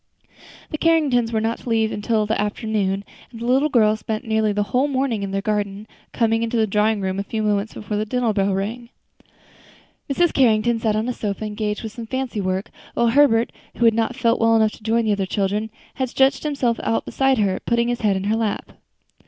The Carringtons were not to leave until the afternoon, and the little girls spent nearly the whole morning in the garden, coming into the drawing room a few moments before the dinner bell rang. Mrs. Carrington sat on a sofa engaged with some fancy work, while Herbert, who had not felt well enough to join the other children, had stretched himself out beside her, putting his head in her lap.